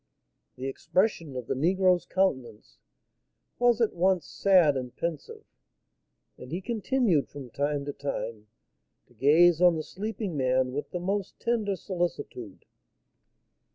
The expression of the negro's countenance was at once sad and pensive, and he continued from time to time to gaze on the sleeping man with the most tender solicitude.